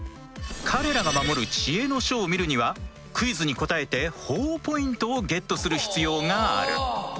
彼らが守る知恵の書を見るにはクイズに答えてほぉポイントをゲットする必要がある。